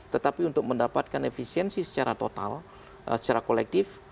tetapi untuk mendapatkan efisiensi secara total secara kolektif